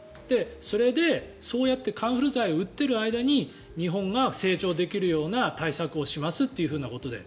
それで、そうやってカンフル剤を打っている間に日本が成長できるような対策をしますということで。